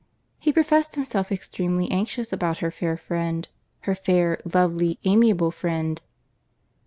He professed himself extremely anxious about her fair friend—her fair, lovely, amiable friend.